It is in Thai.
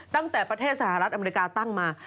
ตั้งแต่ประเทศสหรัฐอเมริกาตั้งมา